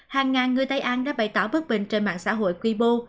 hàng ngàn người tây an đã bày tỏ bất bình trên mạng xã hội weibo